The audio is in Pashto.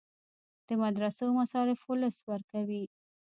د مدرسو مصارف ولس ورکوي